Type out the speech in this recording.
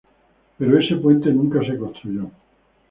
Pero ese puente nunca se construyó.